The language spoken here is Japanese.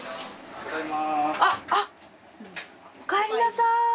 あっおかえりなさい。